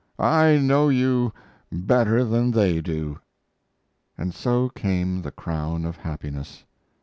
I know you better than they do." And so came the crown of happiness.